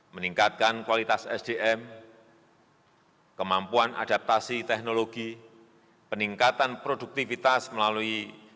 meningkatkan kualitas sdm kemampuan adaptasi teknologi peningkatan produktivitas melalui